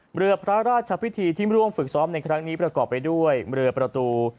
เรือพระราชพิธีที่ร่วมฝึกซ้อมในครั้งนี้ประกอบไปด้วยเรือประตู